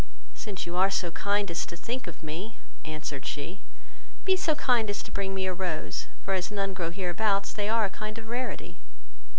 "Since you are so kind as to think of me, (answered she,) be so kind as to bring me a rose, for as none grow hereabouts, they are a kind of rarity."